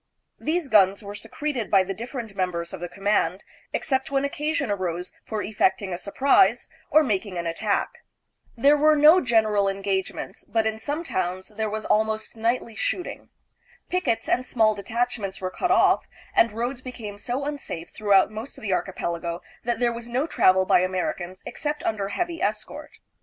These guns were secreted by the different members of the command, except when occasion arose for effecting a surprise or making an attack. There AMERICA AXD THE PHILIPPINES. 307 were no general engagements, but in some towns there was almost nightly shooting. Pickets and small detach ments were cut off, and roads became so unsafe through out most of the archipelago that there was no travel by Americans except under heavy escort.